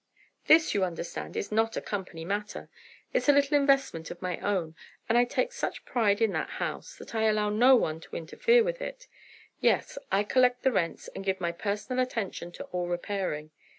"This, you understand, is not a company matter. It's a little investment of my own, and I take such pride in that house, that I allow no one to interfere with it. Yes, I collect the rents and give my personal attention to all repairing.